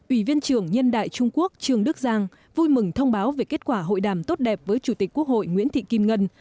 ủy viên trưởng nhân đại trung quốc trường đức giang vui mừng thông báo về kết quả hội đàm tốt đẹp với chủ tịch quốc hội nguyễn thị kim ngân